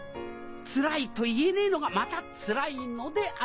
「つらい」と言えねえのがまたつらいのであります